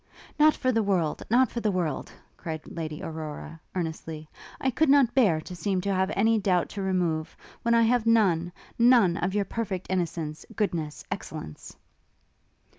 'Not for the world! not for the world!' cried Lady Aurora, earnestly: 'I could not bear to seem to have any doubt to remove, when I have none, none, of your perfect innocence, goodness, excellence!'